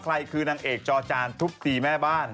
ใครคือนางเอกจอจานทุบตีแม่บ้าน